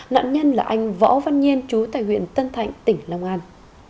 nạn nhân là anh võ văn nhiên chú tại huyện tân thạnh tỉnh long an